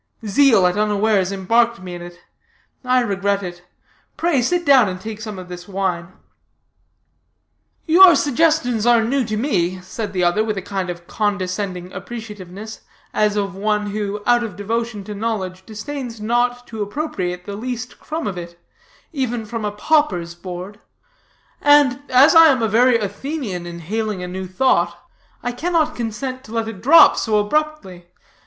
Zeal at unawares embarked me in it. I regret it. Pray, sit down, and take some of this wine." "Your suggestions are new to me," said the other, with a kind of condescending appreciativeness, as of one who, out of devotion to knowledge, disdains not to appropriate the least crumb of it, even from a pauper's board; "and, as I am a very Athenian in hailing a new thought, I cannot consent to let it drop so abruptly.